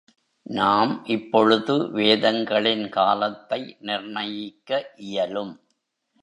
நாம் இப்பொழுது வேதங்களின் காலத்தை நிர்ணயிக்க இயலும்.